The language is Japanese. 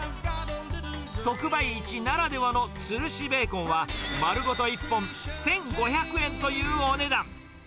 特売市ならではのつるしベーコンは、丸ごと１本１５００円というお値段。